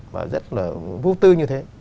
và rất là vô tư như thế